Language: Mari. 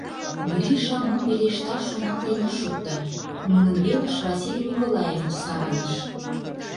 Гриша, мом пелешташ, шоналтен ыш шукто, нунын велыш Василий Николаевич савырныш.